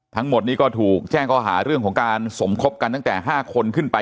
ทั้งหมดนี้ก็ถูกแจ้งข้อหาเรื่องของการสมคบกันตั้งแต่๕คนขึ้นไป